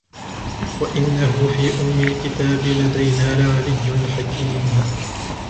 وَإِنَّهُ فِي أُمِّ الْكِتَابِ لَدَيْنَا لَعَلِيٌّ حَكِيمٌ